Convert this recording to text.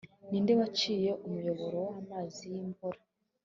ni nde waciye umuyoboro w'amazi y'imvura